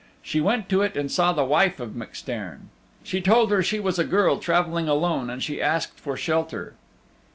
She went to it and saw the wife of MacStairn. She told her she was a girl traveling alone and she asked for shelter.